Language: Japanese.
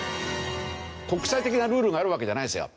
国際的なルールがあるわけじゃないんですよ。